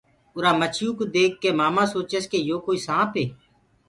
اُرآ مڇيو ڪوُ ديک ڪي مآمآ سوچس ڪي يو ڪوئي سآنپ هي۔